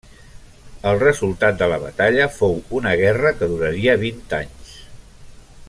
El resultat de la batalla fou una guerra que duraria vint anys.